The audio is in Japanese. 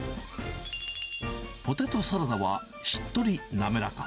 ポテトサラダはしっとり滑らか。